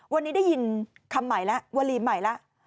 วันนี้ได้ยินคำใหม่แล้ววันนี้ได้ยินคำใหม่แล้ว